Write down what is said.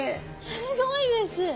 すごいです！